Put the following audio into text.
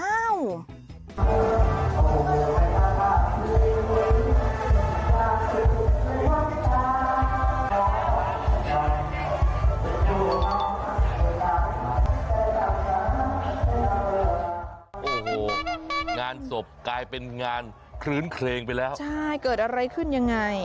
โอ้โหงานศพกลายเป็นงานคลื้นเคลงไปแล้วใช่เกิดอะไรขึ้นยังไง